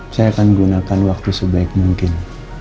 saya akan gunakan waktu sebaik mungkin